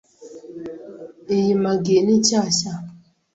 Iyi magi ni shyashya .